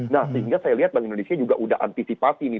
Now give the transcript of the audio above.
nah sehingga saya lihat bank indonesia juga sudah antisipasi nih